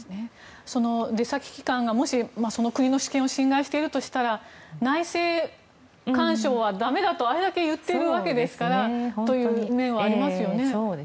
出先機関がもしその国の主権を侵害しているなら内政干渉はだめだとあれだけ言ってるわけですからっていう面もありますよね。